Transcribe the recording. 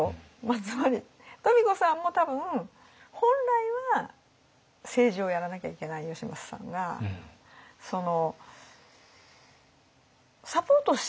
つまり富子さんも多分本来は政治をやらなきゃいけない義政さんがほう！